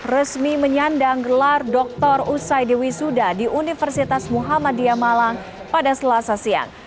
resmi menyandang gelar dokter usai dewi suda di universitas muhammadiyah malang pada selasa siang